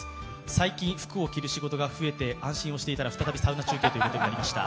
最近、服を着る仕事が増えて安心していたら再びサウナ中継ということでありました。